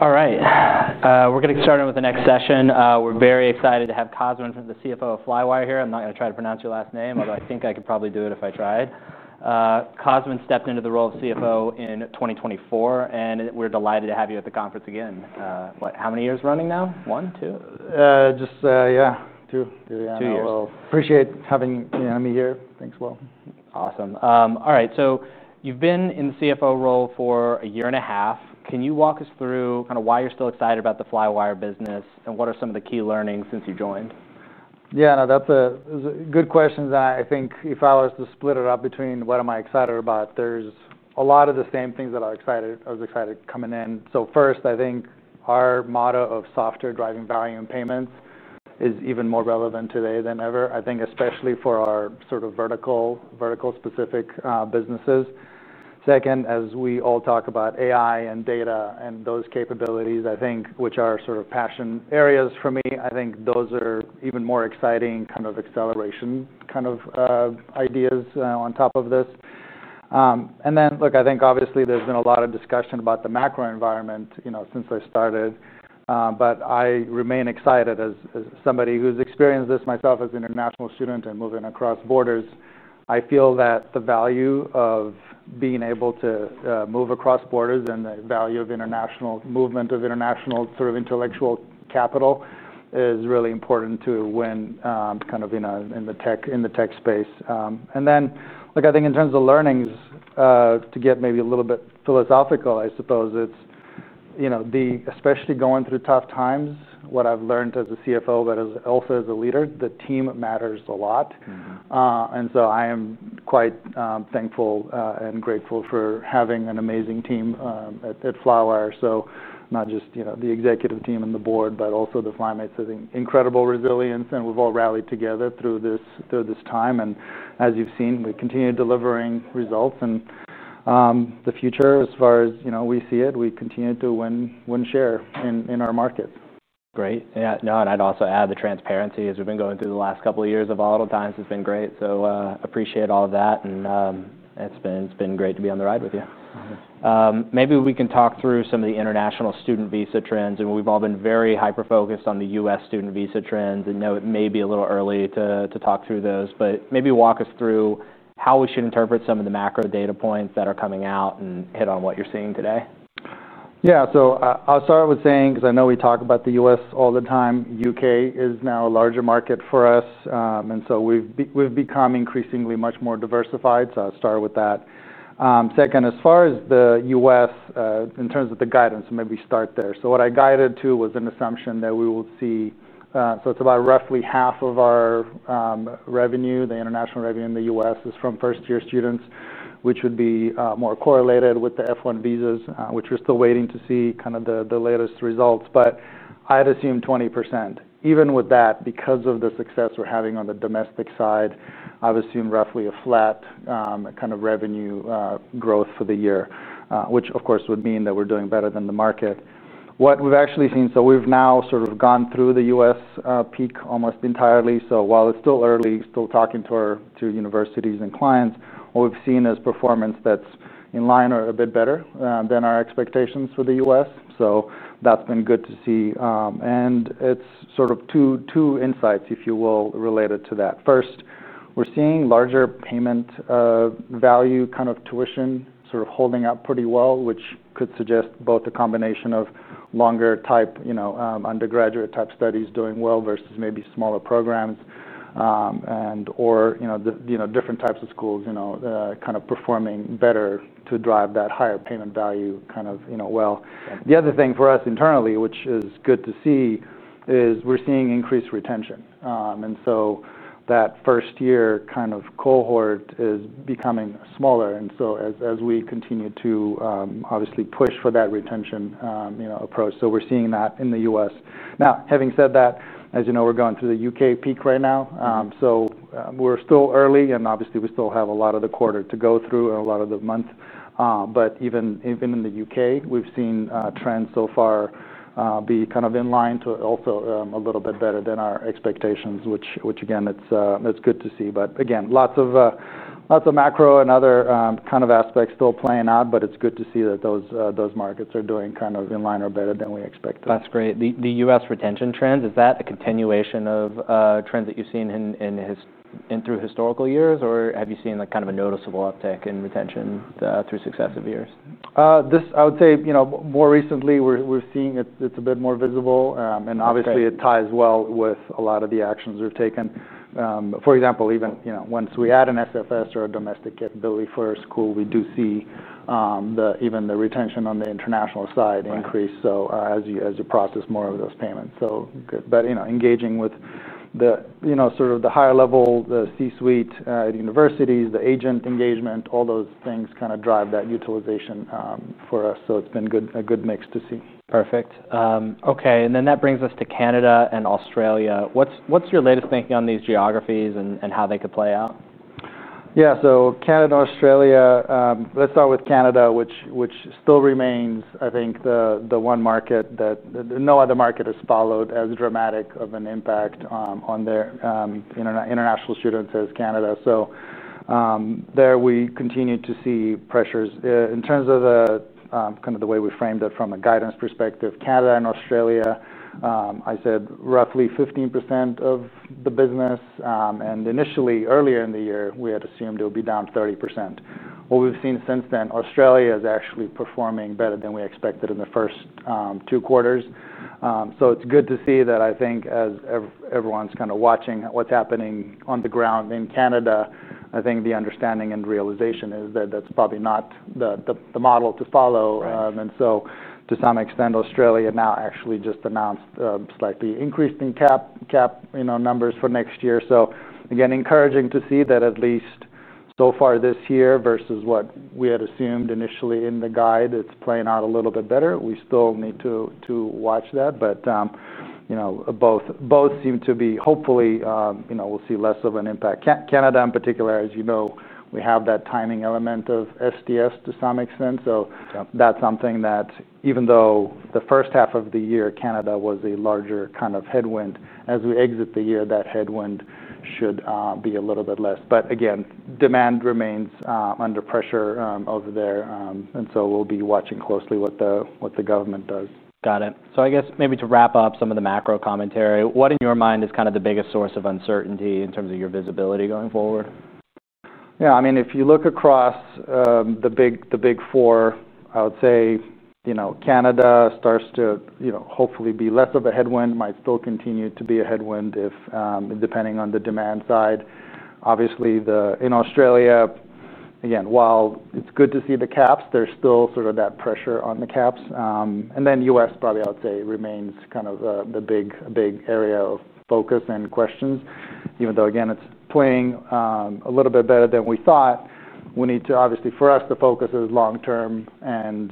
All right. We're getting started with the next session. We're very excited to have Cosmin Pitigoi, the CFO of Flywire, here. I'm not going to try to pronounce your last name, although I think I could probably do it if I tried. Cosmin stepped into the role of CFO in 2024, and we're delighted to have you at the conference again. What, how many years running now? 1, 2? Yeah, 2. 2 years. Appreciate having you know me here. Thanks, Will. Awesome. All right. You've been in the CFO role for a year and a half. Can you walk us through why you're still excited about the Flywire business and what are some of the key learnings since you joined? Yeah. No, that's a good question. I think if I was to split it up between what am I excited about, there's a lot of the same things that I was excited coming in. First, I think our motto of software driving value and payment is even more relevant today than ever, especially for our sort of vertical, vertical specific, businesses. Second, as we all talk about AI and data and those capabilities, which are sort of passion areas for me, I think those are even more exciting kind of acceleration ideas on top of this. I think obviously there's been a lot of discussion about the macro environment since I started. I remain excited as somebody who's experienced this myself as an international student and moving across borders. I feel that the value of being able to move across borders and the value of international movement of international sort of intellectual capital is really important to win in the tech space. I think in terms of learnings, to get maybe a little bit philosophical, I suppose it's especially going through tough times, what I've learned as a CFO, but also as a leader, the team matters a lot. Mhmm. I am quite thankful and grateful for having an amazing team at Flywire. Not just the executive team and the board, but also the Flymates have incredible resilience, and we've all rallied together through this time. As you've seen, we continue delivering results, and the future as far as we see it, we continue to win share in our market. Great. Yeah. I'd also add the transparency as we've been going through the last couple of years of volatile times has been great. Appreciate all of that. It's been great to be on the ride with you. Uh-huh. Maybe we can talk through some of the international student visa trends. We've all been very hyper focused on the U.S. student visa trends, and know it may be a little early to talk through those, but maybe walk us through how we should interpret some of the macro data points that are coming out and hit on what you're seeing today. Yeah. I'll start with saying because I know we talk about the U.S. all the time. U.K. is now a larger market for us, and we've become increasingly much more diversified. I'll start with that. Second, as far as the U.S., in terms of the guidance, maybe start there. What I guided to was an assumption that we will see, so it's about roughly half of our revenue, the international revenue in the U.S. is from first-year students, which would be more correlated with the F1 visas, which we're still waiting to see the latest results. I'd assume 20%. Even with that, because of the success we're having on the domestic side, I've assumed roughly a flat revenue growth for the year, which, of course, would mean that we're doing better than the market. What we've actually seen, we've now gone through the U.S. peak almost entirely. While it's still early, still talking to our universities and clients, what we've seen is performance that's in line or a bit better than our expectations for the U.S. That's been good to see. It's sort of two insights, if you will, related to that. First, we're seeing larger payment value, kind of tuition, holding up pretty well, which could suggest both a combination of longer type undergraduate type studies doing well versus maybe smaller programs, and the different types of schools performing better to drive that higher payment value. The other thing for us internally, which is good to see, is we're seeing increased retention, and so that first-year cohort is becoming smaller. As we continue to obviously push for that retention approach, we're seeing that in the U.S. Now, having said that, as you know, we're going through the U.K. peak right now. We're still early, and we still have a lot of the quarter to go through and a lot of the month, but even in the U.K., we've seen trends so far be in line to also a little bit better than our expectations, which again, it's good to see. Again, lots of macro and other aspects still playing out, but it's good to see that those markets are doing in line or better than we expected. That's great. The U.S. retention trends, is that a continuation of trends that you've seen in historical years, or have you seen a kind of a noticeable uptick in retention through successive years? I would say, more recently, we're seeing it, it's a bit more visible, and obviously, it ties well with a lot of the actions we've taken. For example, even once we add an SFS or a domestic capability for our school, we do see even the retention on the international side increase as you process more of those payments. Engaging with the higher level, the C-suite at universities, the agent engagement, all those things kind of drive that utilization for us. It's been a good mix to see. Perfect. Okay. That brings us to Canada and Australia. What's your latest thinking on these geographies and how they could play out? Yeah. Canada, Australia, let's start with Canada, which still remains, I think, the one market that no other market has followed as dramatic of an impact on their international students as Canada. There we continue to see pressures in terms of the way we framed it from a guidance perspective. Canada and Australia, I said roughly 15% of the business, and initially, earlier in the year, we had assumed it would be down 30%. What we've seen since then, Australia is actually performing better than we expected in the first two quarters. It's good to see that. I think as everyone's kind of watching what's happening on the ground in Canada, the understanding and realization is that that's probably not the model to follow. Right. To some extent, Australia now actually just announced slightly increased cap numbers for next year. Again, encouraging to see that at least so far this year versus what we had assumed initially in the guide, it's playing out a little bit better. We still need to watch that. Both seem to be, hopefully, you know, we'll see less of an impact. Canada, in particular, as you know, we have that timing element of STS to some extent. Yep. That's something that even though the first half of the year, Canada was a larger kind of headwind, as we exit the year, that headwind should be a little bit less. Again, demand remains under pressure over there, and we'll be watching closely what the government does. Got it. I guess maybe to wrap up some of the macro commentary, what in your mind is kind of the biggest source of uncertainty in terms of your visibility going forward? Yeah. I mean, if you look across the big four, I would say, you know, Canada starts to, you know, hopefully be less of a headwind, might still continue to be a headwind, depending on the demand side. Obviously, in Australia, again, while it's good to see the caps, there's still sort of that pressure on the caps. The U.S. probably, I would say, remains kind of the big area of focus and questions, even though, again, it's playing a little bit better than we thought. We need to, obviously, for us, the focus is long term, and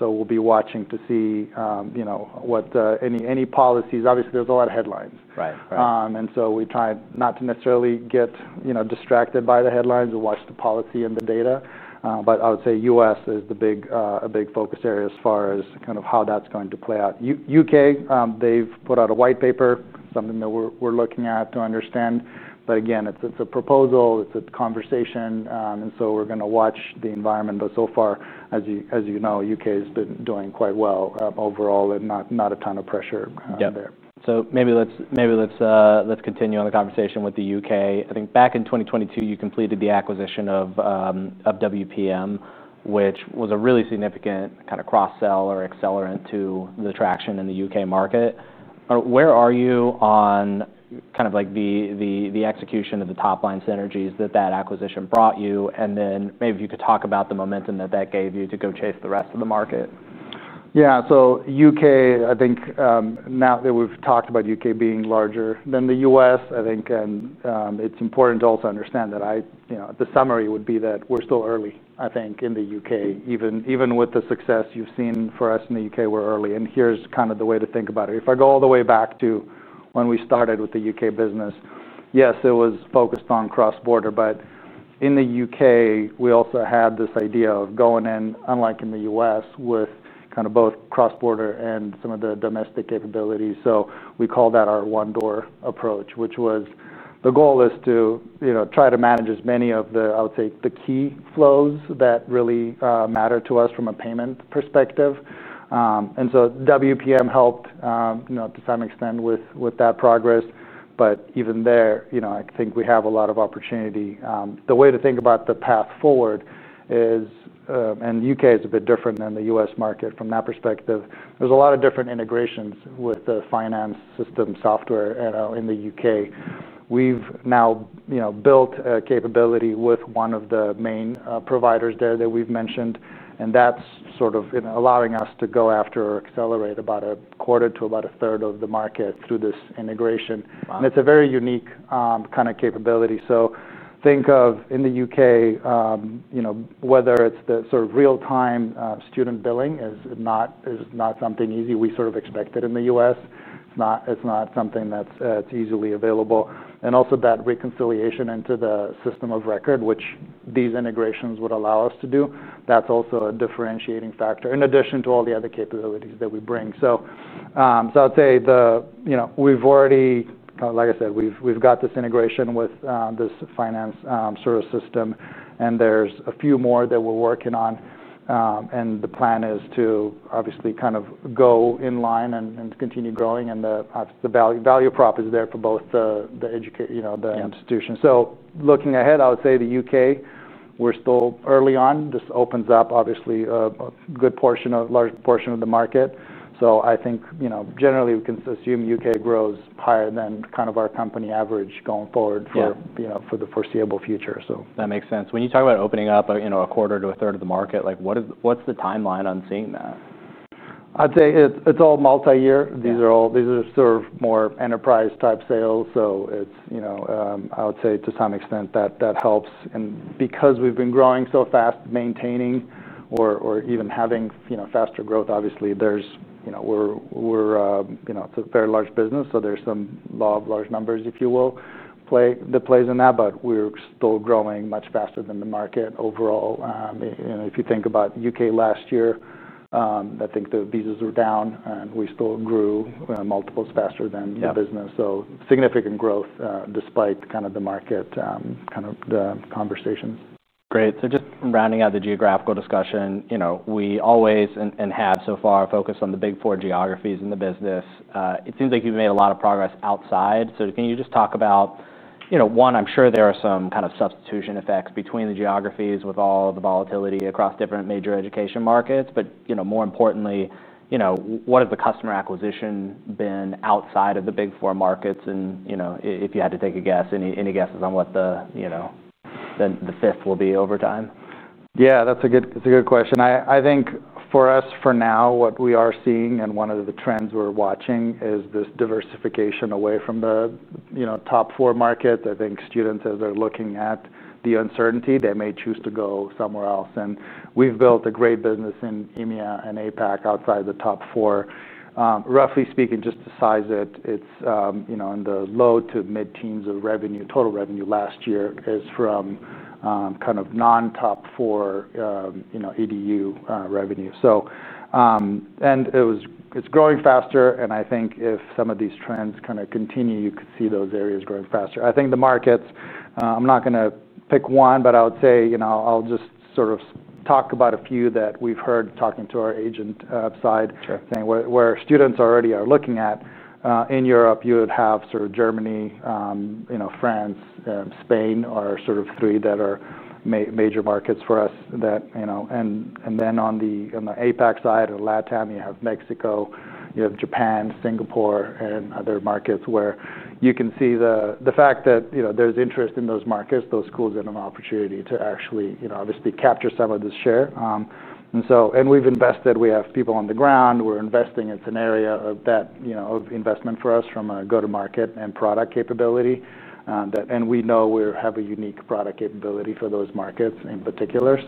we'll be watching to see what any policies are. Obviously, there's a lot of headlines. Right. Right. We try not to necessarily get, you know, distracted by the headlines or watch the policy and the data. I would say U.S. is a big focus area as far as kind of how that's going to play out. U.K., they've put out a white paper, something that we're looking at to understand. Again, it's a proposal. It's a conversation, and we're going to watch the environment. So far, as you know, U.K. has been doing quite well overall, and not a ton of pressure. Yeah. Maybe let's continue on the conversation with the U.K. I think back in 2022, you completed the acquisition of WPM, which was a really significant kind of cross-sell or accelerant to the traction in the U.K. market. Where are you on the execution of the top line synergies that acquisition brought you? Maybe if you could talk about the momentum that gave you to go chase the rest of the market. Yeah. U.K., I think, now that we've talked about U.K. being larger than the U.S., I think it's important to also understand that, you know, the summary would be that we're still early, I think, in the U.K. Even with the success you've seen for us in the U.K., we're early. Here's kind of the way to think about it. If I go all the way back to when we started with the U.K. business, yes, it was focused on cross-border, but in the U.K., we also had this idea of going in, unlike in the U.S., with both cross-border and some of the domestic capabilities. We call that our one-door approach, which was the goal to try to manage as many of the key flows that really matter to us from a payment perspective. WPM helped, to some extent, with that progress. Even there, I think we have a lot of opportunity. The way to think about the path forward is the U.K. is a bit different than the U.S. market from that perspective. There's a lot of different integrations with the finance system software in the U.K. We've now built a capability with one of the main providers there that we've mentioned. That's sort of allowing us to go after or accelerate about a quarter to about a third of the market through this integration. Wow. It's a very unique kind of capability. Think of in the U.K., whether it's the sort of real-time student billing, it is not something easy. We sort of expect it in the U.S. It's not something that's easily available. Also, that reconciliation into the system of record, which these integrations would allow us to do, that's also a differentiating factor in addition to all the other capabilities that we bring. I'd say we've already, like I said, we've got this integration with this finance service system, and there's a few more that we're working on. The plan is to obviously kind of go in line and continue growing, and the value prop is there for both the education, the institution. Looking ahead, I would say the U.K., we're still early on. This opens up a good portion of a large portion of the market. I think generally we can assume U.K. grows higher than kind of our company average going forward for the foreseeable future. That makes sense. When you talk about opening up, you know, a quarter to a third of the market, what is the timeline on seeing that? I'd say it's all multi-year. These are all sort of more enterprise type sales. I would say to some extent that helps. Because we've been growing so fast, maintaining or even having faster growth, obviously, there's a very large business. There's some law of large numbers, if you will, that plays in that, but we're still growing much faster than the market overall. If you think about the U.K. last year, I think the visas were down, and we still grew multiples faster than the business. Yeah. Significant growth, despite kind of the market, kind of the conversation. Great. Just rounding out the geographical discussion, we always have so far focused on the big four geographies in the business. It seems like you've made a lot of progress outside. Can you just talk about, you know, one, I'm sure there are some kind of substitution effects between the geographies with all the volatility across different major education markets. More importantly, what has the customer acquisition been outside of the big four markets? If you had to take a guess, any guesses on what the fifth will be over time? Yeah. That's a good question. I think for us, for now, what we are seeing and one of the trends we're watching is this diversification away from the, you know, top four markets. I think students as they're looking at the uncertainty, they may choose to go somewhere else. We've built a great business in EMEA and APAC outside the top four. Roughly speaking, just to size it, it's, you know, in the low to mid-teens of revenue, total revenue last year is from, kind of non-top four, you know, EDU, revenue. It's growing faster. I think if some of these trends kind of continue, you could see those areas growing faster. I think the markets, I'm not going to pick one, but I would say, you know, I'll just sort of talk about a few that we've heard talking to our agent side. Sure. Saying where students already are looking at. In Europe, you would have Germany, France, Spain are three that are major markets for us, and then on the APAC side or LATAM, you have Mexico, you have Japan, Singapore, and other markets where you can see the fact that there's interest in those markets, those schools, and an opportunity to actually capture some of this share. We've invested. We have people on the ground. We're investing. It's an area of investment for us from a go-to-market and product capability, and we know we have a unique product capability for those markets in particular.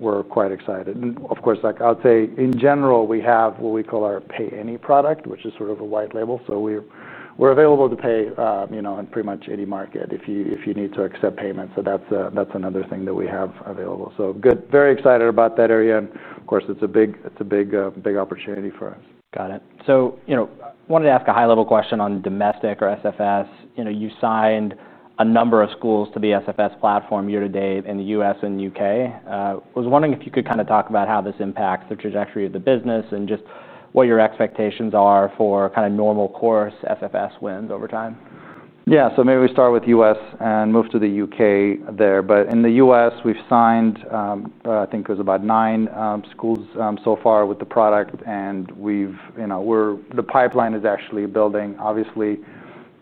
We're quite excited. Of course, I would say in general, we have what we call our pay any product, which is sort of a white label. We're available to pay in pretty much any market if you need to accept payment. That's another thing that we have available. Very excited about that area. Of course, it's a big, big opportunity for us. Got it. I wanted to ask a high-level question on domestic or SFS. You signed a number of schools to the SFS platform year to date in the U.S. and U.K. I was wondering if you could talk about how this impacts the trajectory of the business and just what your expectations are for normal course SFS wins over time. Yeah. Maybe we start with the U.S. and move to the U.K. there. In the U.S., we've signed, I think it was about 9 schools so far with the product. We've, you know, the pipeline is actually building. Obviously,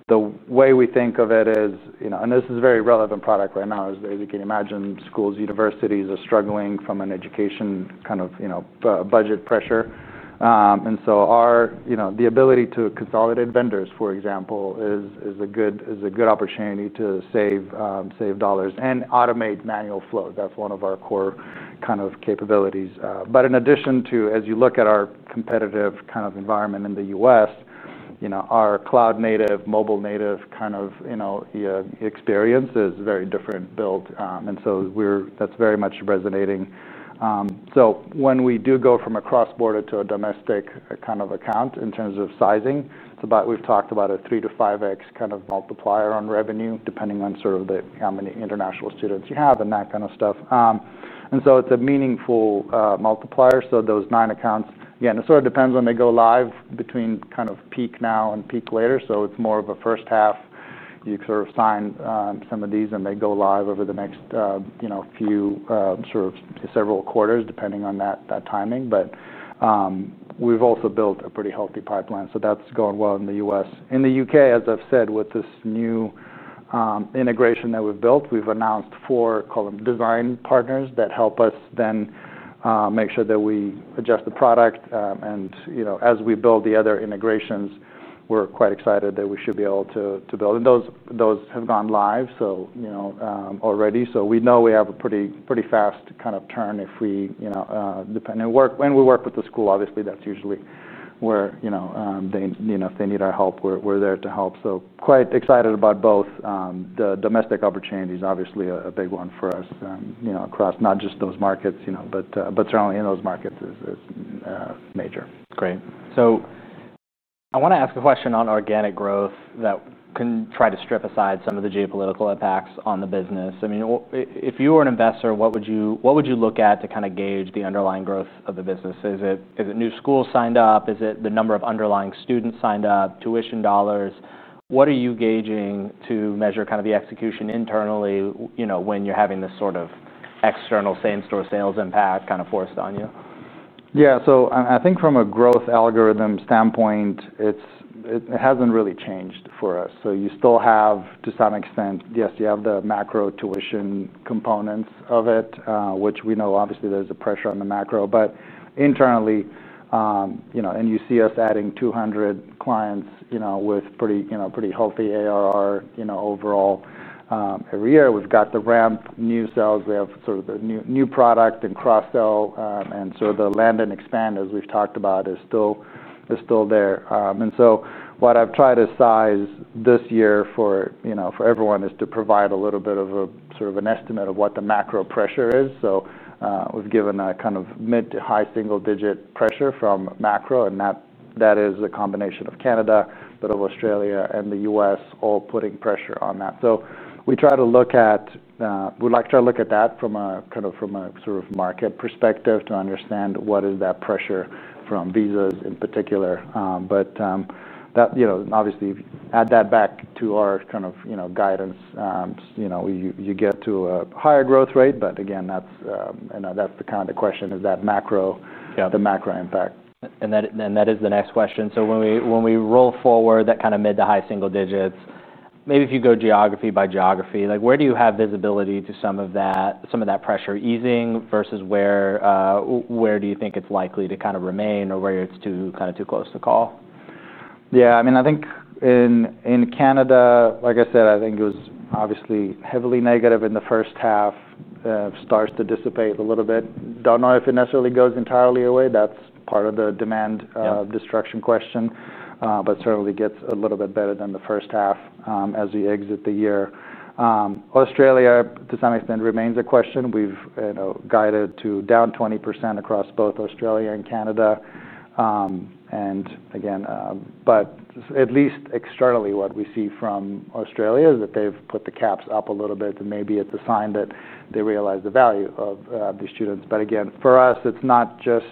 the way we think of it is, you know, and this is a very relevant product right now. As you can imagine, schools, universities are struggling from an education kind of, you know, budget pressure. Our, you know, the ability to consolidate vendors, for example, is a good opportunity to save dollars and automate manual flow. That's one of our core kind of capabilities. In addition to, as you look at our competitive kind of environment in the U.S., our cloud native, mobile native kind of, you know, experience is very different built. We're, that's very much resonating. When we do go from a cross-border to a domestic kind of account in terms of sizing, it's about, we've talked about a 3 to 5x kind of multiplier on revenue depending on sort of how many international students you have and that kind of stuff. It's a meaningful multiplier. Those 9 accounts, again, it sort of depends when they go live between kind of peak now and peak later. It's more of a first half. You sort of sign some of these, and they go live over the next, you know, few, sort of several quarters depending on that timing. We've also built a pretty healthy pipeline. That's going well in the U.S. In the U.K., as I've said, with this new integration that we've built, we've announced 4, call them design partners that help us then make sure that we adjust the product. As we build the other integrations, we're quite excited that we should be able to build. Those have gone live already. We know we have a pretty fast kind of turn if we, you know, depending on when we work with the school. Obviously, that's usually where, you know, if they need our help, we're there to help. Quite excited about both. The domestic opportunity is obviously a big one for us, you know, across not just those markets, but certainly in those markets is major. Great. I want to ask a question on organic growth that can try to strip aside some of the geopolitical impacts on the business. If you were an investor, what would you look at to gauge the underlying growth of the business? Is it new schools signed up? Is it the number of underlying students signed up, tuition dollars? What are you gauging to measure kind of the execution internally, when you're having this sort of external same-store sales impact forced on you? Yeah. So, I mean, I think from a growth algorithm standpoint, it hasn't really changed for us. You still have, to some extent, yes, you have the macro tuition components of it, which we know, obviously, there's a pressure on the macro. Internally, you know, and UCF adding 200 clients, you know, with pretty healthy ARR, you know, overall, every year. We've got the ramp new sales. We have sort of the new product and cross-sell, and so the land and expand, as we've talked about, is still there. What I've tried to size this year for everyone is to provide a little bit of a sort of an estimate of what the macro pressure is. We've given a kind of mid to high single-digit pressure from macro, and that is a combination of Canada, a bit of Australia, and the U.S. all putting pressure on that. We try to look at, we'd like to try to look at that from a sort of market perspective to understand what is that pressure from visas in particular. Obviously, add that back to our kind of guidance, you get to a higher growth rate, but again, that's the kind of question, is that macro. Yeah. The macro impact. That is the next question. When we roll forward that kinda mid to high single digits, maybe if you go geography by geography, where do you have visibility to some of that pressure easing versus where do you think it's likely to kinda remain or where it's too close to call? Yeah. I mean, I think in Canada, like I said, I think it was obviously heavily negative in the first half, starts to dissipate a little bit. I don't know if it necessarily goes entirely away. That's part of the demand destruction question, but certainly gets a little bit better than the first half as we exit the year. Australia, to some extent, remains a question. We've guided to down 20% across both Australia and Canada. Again, at least externally, what we see from Australia is that they've put the caps up a little bit, and maybe it's a sign that they realize the value of the students. For us, it's not just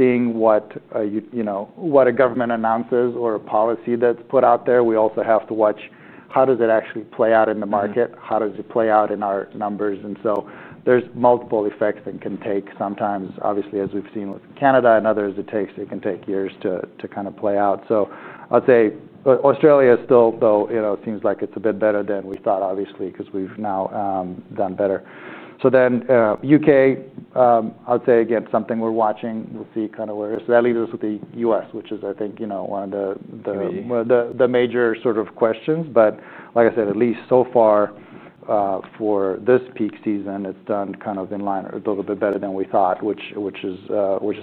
seeing what a government announces or a policy that's put out there. We also have to watch how does it actually play out in the market, how does it play out in our numbers. There's multiple effects that can take sometimes, obviously, as we've seen with Canada and others, it can take years to kind of play out. I'd say Australia is still, though, it seems like it's a bit better than we thought, obviously, because we've now done better. The U.K., I'd say, again, something we're watching. We'll see kind of where it is. That leaves us with the U.S., which is, I think, one of the major sort of questions. Like I said, at least so far, for this peak season, it's done kind of in line, a little bit better than we thought, which is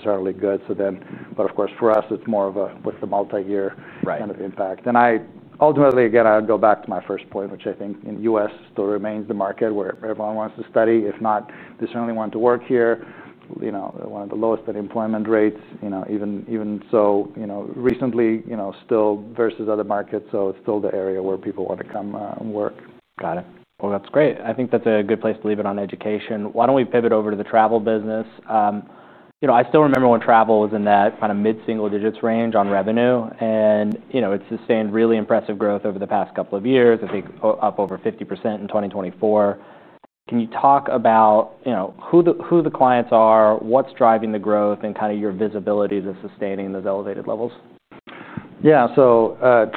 certainly good. For us, it's more of a with the multi-year. Right. Kind of impact. I would go back to my first point, which I think in the U.S. still remains the market where everyone wants to study. If not, they certainly want to work here. One of the lowest unemployment rates, even recently, still versus other markets. It is still the area where people want to come and work. Got it. That's great. I think that's a good place to leave it on education. Why don't we pivot over to the travel business? I still remember when travel was in that kind of mid-single digits range on revenue, and it's sustained really impressive growth over the past couple of years. I think up over 50% in 2024. Can you talk about who the clients are, what's driving the growth, and your visibility to sustaining those elevated levels? Yeah.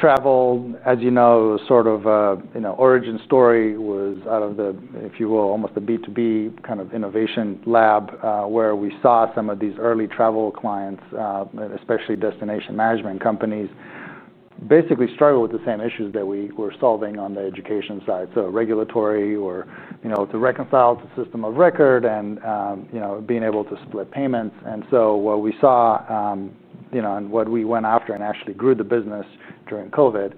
Travel, as you know, sort of origin story was out of the, if you will, almost the B2B kind of innovation lab, where we saw some of these early travel clients, especially destination management companies, basically struggle with the same issues that we were solving on the education side. Regulatory or, you know, to reconcile the system of record and, you know, being able to split payments. What we saw and what we went after actually grew the business during COVID,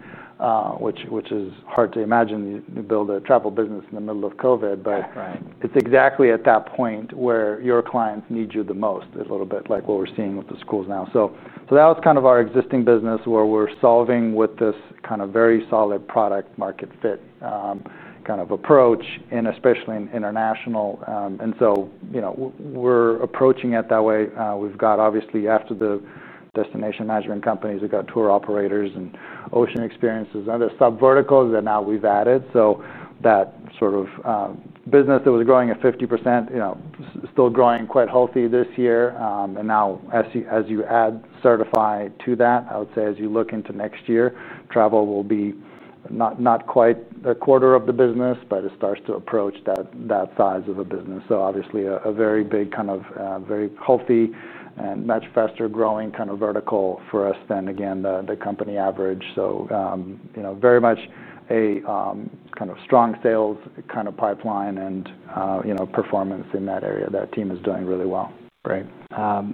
which is hard to imagine you build a travel business in the middle of COVID, but. Right. It's exactly at that point where your clients need you the most, a little bit like what we're seeing with the schools now. That was kind of our existing business where we're solving with this kind of very solid product-market fit approach, especially in international. You know, we're approaching it that way. We've got, obviously, after the destination management companies, we've got tour operators and ocean experiences and other subverticals that now we've added. That sort of business that was growing at 50% is still growing quite healthy this year. Now as you add Sertifi to that, I would say as you look into next year, travel will be not quite a quarter of the business, but it starts to approach that size of a business. Obviously, a very big, very healthy, and much faster growing vertical for us than, again, the company average. You know, very much a strong sales pipeline and performance in that area. That team is doing really well. Great. I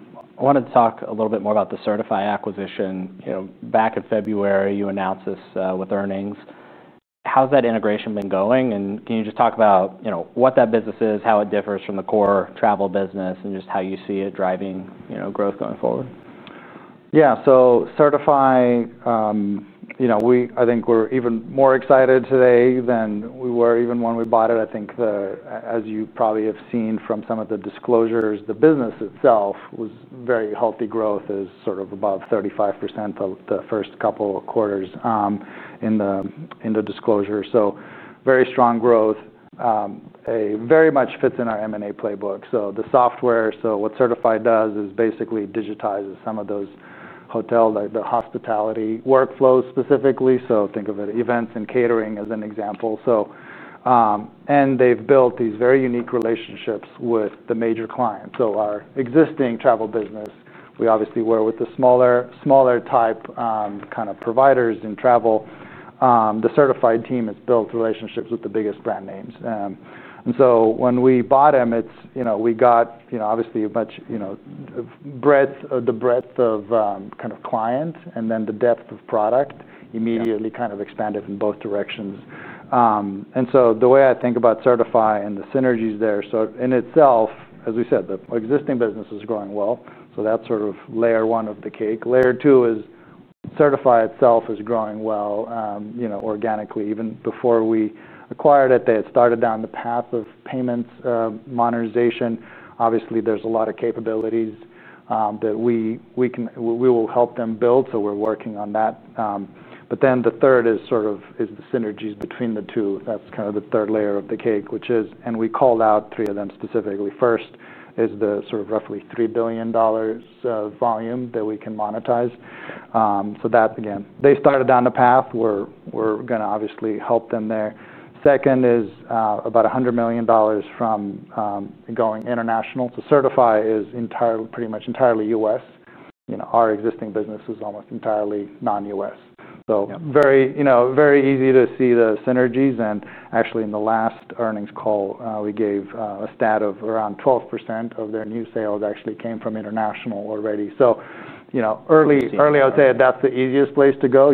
want to talk a little bit more about the Sertifi acquisition. Back in February, you announced this with earnings. How's that integration been going? Can you just talk about what that business is, how it differs from the core travel business, and how you see it driving growth going forward? Yeah. So Sertifi, you know, I think we're even more excited today than we were even when we bought it. I think, as you probably have seen from some of the disclosures, the business itself was very healthy. Growth is sort of above 35% the first couple of quarters in the disclosure. So very strong growth. It very much fits in our M&A playbook. So the software, so what Sertifi does is basically digitizes some of those hotel, like the hospitality workflow specifically. Think of it, events and catering as an example. They've built these very unique relationships with the major clients. Our existing travel business, we obviously were with the smaller, smaller type, kind of providers in travel. The Sertifi team has built relationships with the biggest brand names. When we bought them, it's, you know, we got, you know, obviously a much, you know, breadth or the breadth of, kind of client and then the depth of product immediately kind of expanded in both directions. The way I think about Sertifi and the synergies there, so in itself, as we said, the existing business is growing well. That's sort of layer one of the cake. Layer two is Sertifi itself is growing well, you know, organically. Even before we acquired it, they had started down the path of payments monetization. Obviously, there's a lot of capabilities that we can, we will help them build. We're working on that. The third is the synergies between the two. That's kind of the third layer of the cake, which is, and we called out three of them specifically. First is the sort of roughly $3 billion volume that we can monetize. Again, they started down the path. We're going to obviously help them there. Second is about $100 million from going international. Sertifi is pretty much entirely U.S. You know, our existing business was almost entirely non-U.S. Yeah. It is very easy to see the synergies. In the last earnings call, we gave a stat of around 12% of their new sales actually came from international already. Early on, I would say that's the easiest place to go.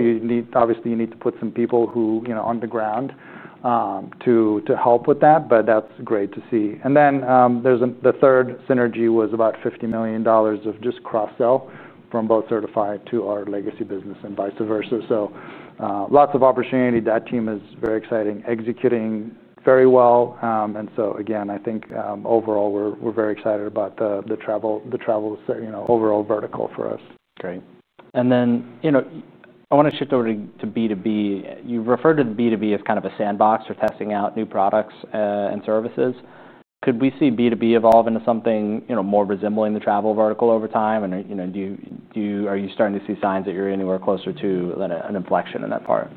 Obviously, you need to put some people on the ground to help with that, but that's great to see. The third synergy was about $50 million of just cross-sell from both Sertifi to our legacy business and vice versa. There is lots of opportunity. That team is very exciting, executing very well. Overall, I think we are very excited about the travel vertical for us. Great. I wanna shift over to B2B. You referred to B2B as kind of a sandbox for testing out new products and services. Could we see B2B evolve into something more resembling the travel vertical over time? Are you starting to see signs that you're anywhere closer to an inflection in that part?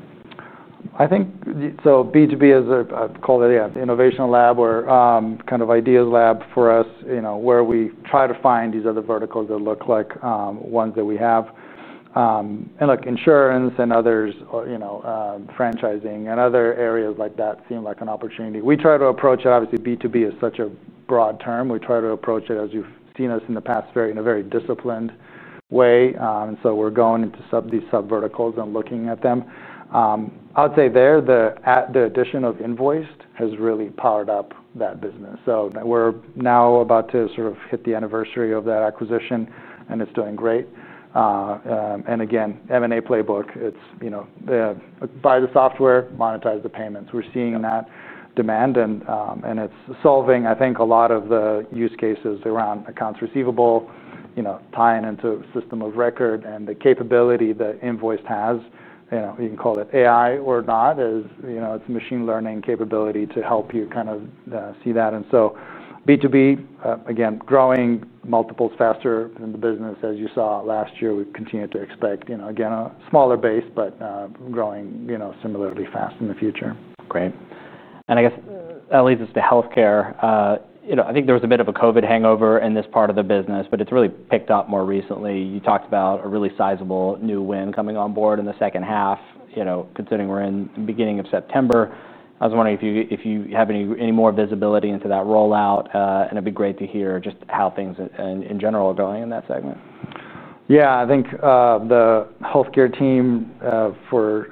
I think B2B is a call that, yeah, the innovation lab or kind of ideas lab for us, where we try to find these other verticals that look like ones that we have. Insurance and others, franchising and other areas like that seem like an opportunity. We try to approach it. Obviously, B2B is such a broad term. We try to approach it, as you've seen us in the past, in a very disciplined way. We're going into these subverticals and looking at them. I would say the addition of Invoiced has really powered up that business. We're now about to hit the anniversary of that acquisition, and it's doing great. M&A playbook, it's the buy the software, monetize the payments. We're seeing that demand, and it's solving, I think, a lot of the use cases around accounts receivable, tying into a system of record and the capability that Invoiced has. You can call it AI or not, as it's a machine learning capability to help you see that. B2B, again, growing multiples faster than the business. As you saw last year, we continue to expect, again, a smaller base, but growing similarly fast in the future. Great. I guess that leads us to healthcare. I think there was a bit of a COVID hangover in this part of the business, but it's really picked up more recently. You talked about a really sizable new win coming on board in the second half, considering we're in the beginning of September. I was wondering if you have any more visibility into that rollout, and it'd be great to hear just how things in general are going in that segment. Yeah. I think the healthcare team,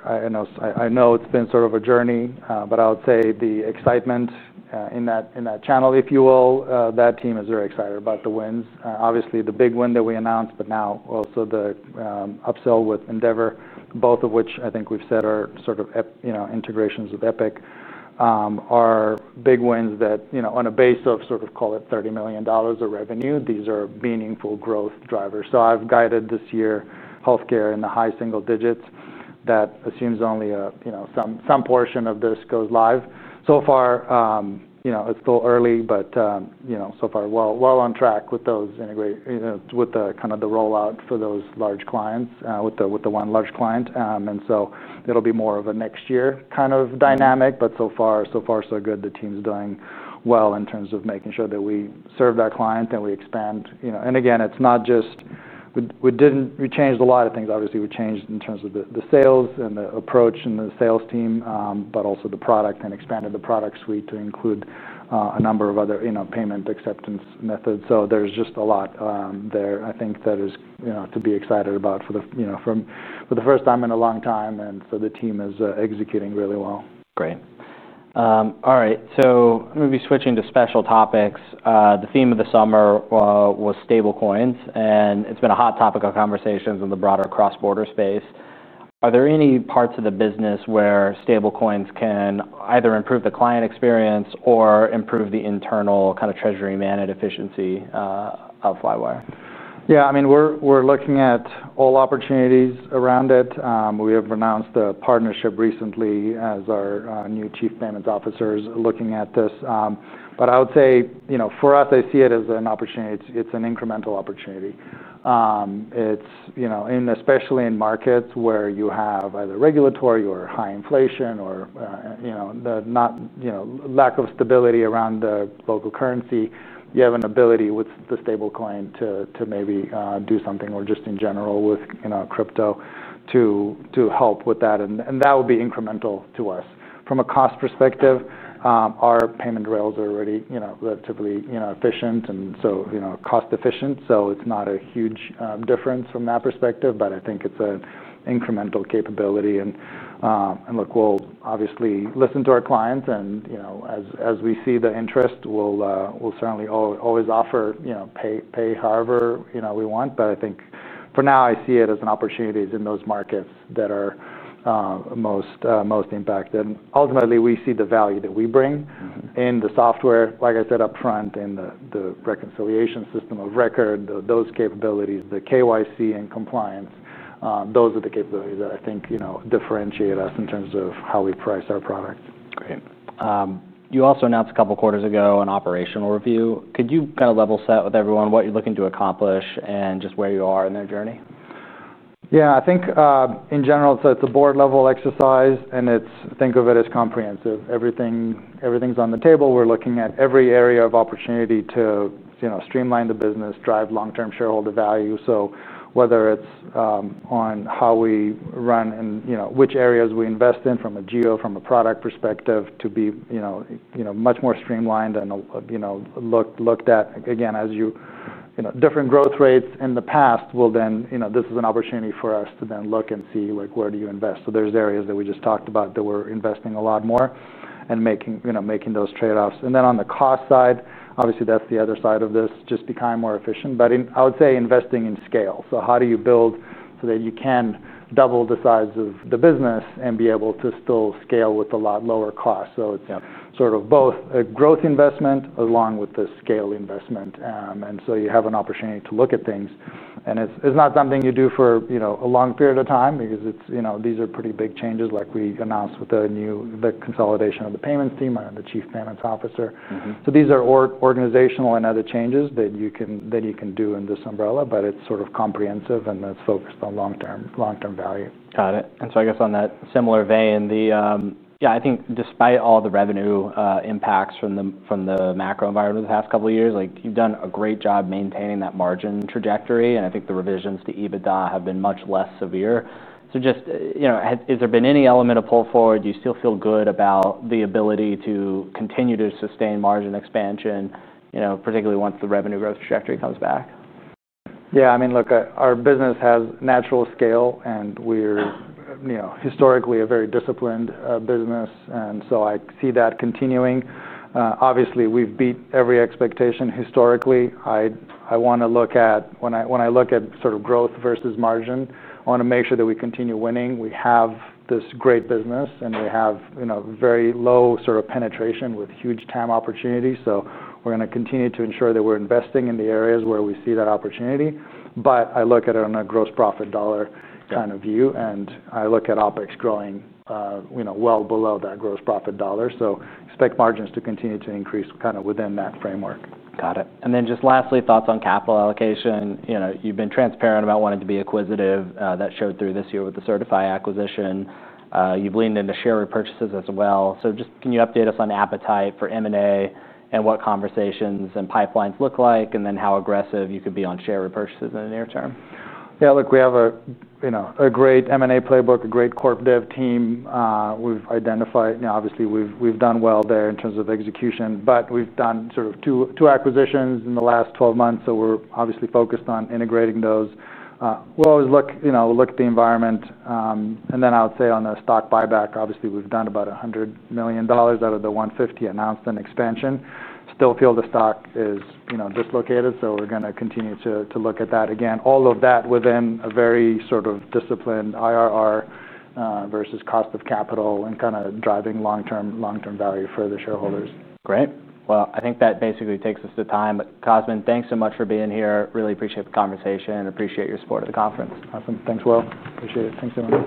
I know it's been sort of a journey, but I would say the excitement in that channel, if you will, that team is very excited about the wins. Obviously, the big win that we announced, but now also the upsell with Endeavor, both of which I think we've said are sort of, you know, integrations with Epic, are big wins that, you know, on a base of, call it, $30 million of revenue, these are meaningful growth drivers. I've guided this year healthcare in the high single digits. That assumes only some portion of this goes live. So far, it's still early, but so far, well on track with those integrations, with the rollout for those large clients, with the one large client. It will be more of a next year kind of dynamic, but so far, so good. The team's doing well in terms of making sure that we serve that client and we expand. Again, we changed a lot of things. Obviously, we changed in terms of the sales and the approach and the sales team, but also the product and expanded the product suite to include a number of other payment acceptance methods. There's just a lot there, I think, that is to be excited about for the first time in a long time, and the team is executing really well. Great. All right. Maybe switching to special topics, the theme of the summer was stable coins, and it's been a hot topic on conversations in the broader cross-border space. Are there any parts of the business where stable coins can either improve the client experience or improve the internal kind of treasury managed efficiency of Flywire? Yeah. I mean, we're looking at all opportunities around it. We have announced the partnership recently as our new Chief Payments Officer is looking at this. I would say, you know, for us, I see it as an opportunity. It's an incremental opportunity, especially in markets where you have either regulatory or high inflation or the lack of stability around the local currency. You have an ability with the stable coin to maybe do something or just in general with crypto to help with that. That would be incremental to us. From a cost perspective, our payment rails are already typically efficient and cost efficient, so it's not a huge difference from that perspective, but I think it's an incremental capability. We'll obviously listen to our clients and as we see the interest, we'll certainly always offer, you know, pay however you want. I think for now, I see it as an opportunity in those markets that are most impacted. Ultimately, we see the value that we bring in the software, like I said upfront, in the reconciliation system of record, those capabilities, the KYC and compliance. Those are the capabilities that I think differentiate us in terms of how we price our products. Great. You also announced a couple of quarters ago an operational review. Could you kind of level set with everyone what you're looking to accomplish and just where you are in that journey? Yeah. I think, in general, it's a board-level exercise, and it's comprehensive. Everything's on the table. We're looking at every area of opportunity to streamline the business, drive long-term shareholder value. Whether it's on how we run and which areas we invest in from a geo, from a product perspective to be much more streamlined and looked at. Again, as you know, different growth rates in the past will then, this is an opportunity for us to then look and see, like, where do you invest? There's areas that we just talked about that we're investing a lot more and making those trade-offs. On the cost side, obviously, that's the other side of this, just becoming more efficient. I would say investing in scale. How do you build so that you can double the size of the business and be able to still scale with a lot lower cost? It's both a growth investment along with the scale investment, and you have an opportunity to look at things. It's not something you do for a long period of time because these are pretty big changes like we announced with the new consolidation of the payments team and the Chief Payments Officer. Mhmm. These are organizational and other changes that you can do in this umbrella, but it's sort of comprehensive, and that's focused on long-term value. Got it. I guess on that similar vein, I think despite all the revenue impacts from the macro environment of the past couple of years, you've done a great job maintaining that margin trajectory. I think the revisions to EBITDA have been much less severe. Just, has there been any element of pull forward? Do you still feel good about the ability to continue to sustain margin expansion, particularly once the revenue growth trajectory comes back? Yeah. I mean, look, our business has natural scale, and we're historically a very disciplined business. I see that continuing. Obviously, we've beat every expectation historically. I want to look at when I look at sort of growth versus margin, I want to make sure that we continue winning. We have this great business, and you have very low sort of penetration with huge TAM opportunities. We are going to continue to ensure that we're investing in the areas where we see that opportunity. I look at it on a gross profit dollar kind of view, and I look at OpEx growing well below that gross profit dollar. Expect margins to continue to increase within that framework. Got it. Lastly, thoughts on capital allocation. You've been transparent about wanting to be acquisitive. That showed through this year with the Sertifi acquisition. You've leaned into share repurchases as well. Can you update us on appetite for M&A and what conversations and pipelines look like, and how aggressive you could be on share repurchases in the near term? Yeah. Look, we have a great M&A playbook, a great corp dev team. We've identified, obviously, we've done well there in terms of execution, but we've done two acquisitions in the last 12 months. We're obviously focused on integrating those. We'll always look at the environment. I would say on the stock buyback, obviously, we've done about $100 million out of the $150 million announced in expansion. Still feel the stock is dislocated. We are going to continue to look at that again. All of that within a very disciplined IRR, versus cost of capital and kind of driving long-term value for the shareholders. Great. I think that basically takes us to time. Cosmin, thanks so much for being here. Really appreciate the conversation and appreciate your support of the conference. Awesome. Thanks, Will. Appreciate it. Thanks, Emily.